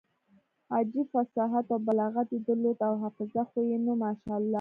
عجب فصاحت او بلاغت يې درلود او حافظه خو يې نو ماشاالله.